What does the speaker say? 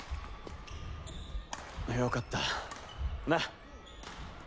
よかったな？